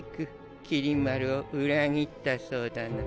麒麟丸を裏切ったそうだな。